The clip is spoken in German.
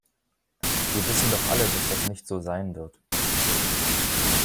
Wir wissen doch alle, dass das nicht so sein wird.